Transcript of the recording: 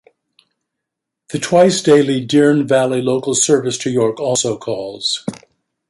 The twice-daily Dearne Valley local service to York also calls.